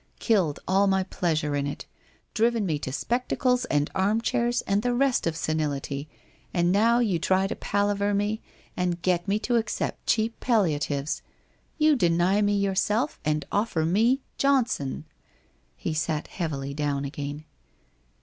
Killed all my pleasure in it, driven me to spectacles and armchairs and the rest of senility, and now you try to palaver me and get me to accept cheap palliatives. You deny me yourself, and offer me — Johnson !' He sat heav ily down again.